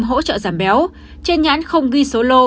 hỗ trợ giảm béo trên nhãn không ghi số lô